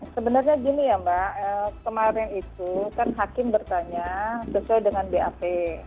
sebenarnya gini ya mbak kemarin itu kan hakim bertanya sesuai dengan bap